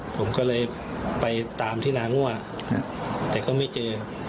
ผมก็เลยไปตามที่นางั่วแต่ก็ไม่เจอ